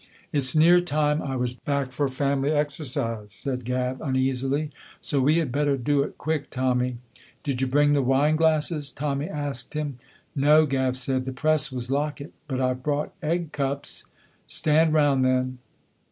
"It's near time I was back for family exercise," said Gav, uneasily, "so we had better do it quick, Tommy." "Did you bring the wineglasses?" Tommy asked him. "No," Gav said, "the press was lockit, but I've brought egg cups." "Stand round then."